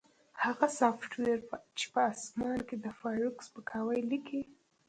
هغه سافټویر چې په اسمان کې د فارویک سپکاوی لیکي